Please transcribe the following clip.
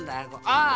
ああ。